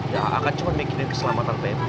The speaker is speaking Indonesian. ya akan cuma bikin keselamatan peti